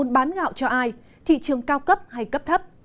bán gạo cho ai thị trường cao cấp hay cấp thấp